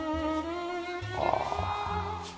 ああ。